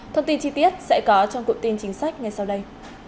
thông tin chi tiết sẽ có trong cụm tin chính sách ngay sau đây